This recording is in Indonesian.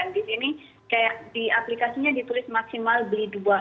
di sini kayak di aplikasinya ditulis maksimal beli dua